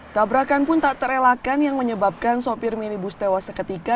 tabrakan pun tak terelakan yang menyebabkan sopir minibus tewas seketika